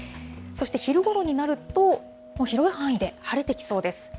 そして昼ごろになると、もう広い範囲で晴れてきそうです。